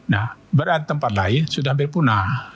nah berada di tempat lain sudah hampir punah